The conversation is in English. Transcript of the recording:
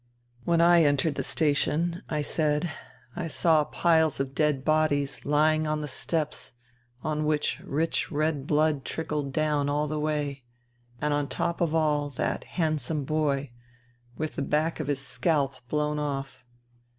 " When I entered the station," I said, " I saw piles of dead bodies lying on the steps on which rich red blood trickled down all the way ; and on INTERVENING IN SIBERIA 181 top of all that handsome boy, with the back of his scalp blown off.